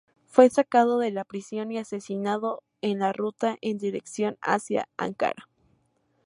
Fue sacado de la prisión, y asesinado en la ruta en dirección hacia Ankara.